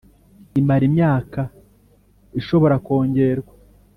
Imara imyaka ishobora kongerwa